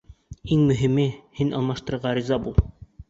Иң мөһиме: һин алмаштырырға риза бул.